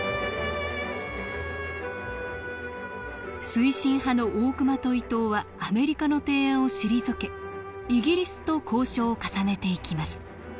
推進派の大隈と伊藤はアメリカの提案を退けイギリスと交渉を重ねていきます。